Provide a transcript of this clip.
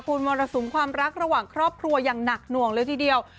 คุณมรสุมความรักระหว่างครอบครัวอย่างหนักหน่วงเลยทีเดียว